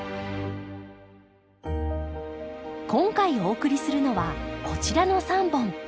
今回お送りするのはこちらの３本。